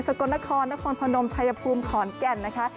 กลนครนครพนมชายภูมิขอนแก่นนะคะ